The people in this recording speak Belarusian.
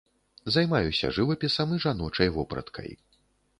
Займаюся жывапісам і жаночай вопраткай.